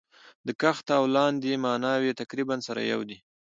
د کښته او لاندي ماناوي تقريباً سره يو دي.